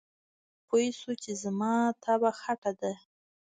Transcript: پوی شو چې زما طبعه خټه ده.